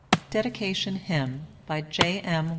DEDICATION HYMN. BY J. M.